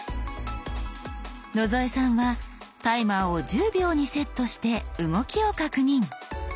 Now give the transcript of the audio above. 野添さんはタイマーを１０秒にセットして動きを確認。